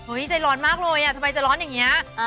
ใจร้อนมากเลยทำไมจะร้อนอย่างนี้